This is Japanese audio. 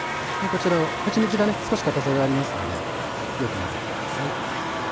こちらをはちみつが少しかたさがありますのでよく混ぜてください。